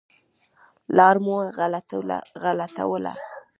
لار مو نه غلطوله.